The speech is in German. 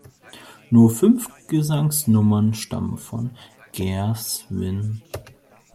Nur fünf Gesangsnummern stammen von Gershwin.